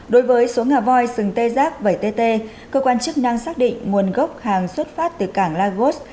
đối với số ngà voi sừng tê giác bảy tt cơ quan chức năng xác định nguồn gốc hàng xuất phát từ cảng lagos